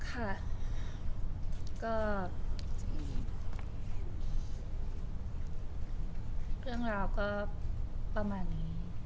เรื่องราวก็ประมาณนี้